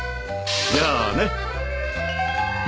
じゃあね。